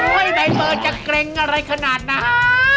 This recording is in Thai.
โอ๊ยไบเฟอร์จะเกร็งอะไรขนาดนั้น